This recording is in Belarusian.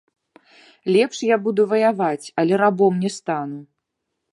Лепш я буду ваяваць, але рабом не стану.